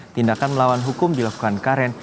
tindakan melawan hukum dilakukan karen